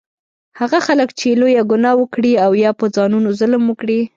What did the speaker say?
هغه خلک چې لویه ګناه وکړي او یا په ځانونو ظلم وکړي